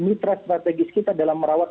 mitra strategis kita dalam merawat